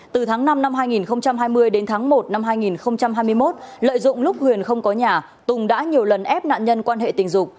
từ tháng năm năm hai nghìn hai mươi đến tháng một năm hai nghìn hai mươi một lợi dụng lúc huyền không có nhà tùng đã nhiều lần ép nạn nhân quan hệ tình dục